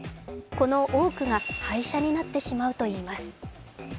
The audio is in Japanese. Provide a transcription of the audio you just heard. この多くが廃車になってしまうといいます。